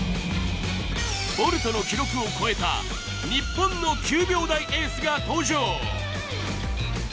ボルトの記録を超えた、日本の９秒台エースが登場！